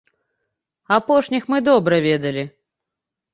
Апошніх мы добра ведалі.